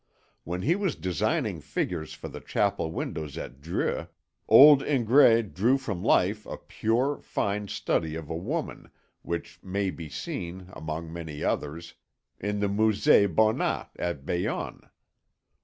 When he was designing figures for the chapel windows at Dreux, old Ingres drew from life a pure, fine study of a woman, which may be seen, among many others, in the Musée Bonnat at Bayonne.